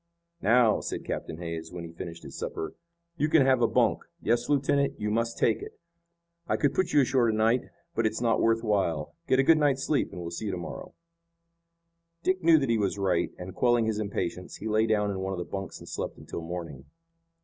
"Now," said Captain Hays, when he finished his supper, "you can have a bunk. Yes, lieutenant, you must take it. I could put you ashore to night, but it's not worth while. Get a good night's sleep, and we'll see to morrow." Dick knew that he was right, and, quelling his impatience, he lay down in one of the bunks and slept until morning.